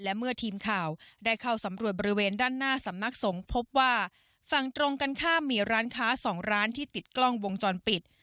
และเมื่อทีมข่าวได้เข้าสำรวจบริเวณด้านหน้าสำนักสงฆ์พบว่าฝั่งตรงกันข้ามมีร้านค้าสองร้านที่ติดกล้องวงจรปิด